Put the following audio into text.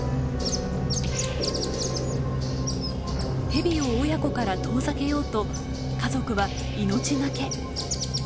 ヘビを親子から遠ざけようと家族は命懸け。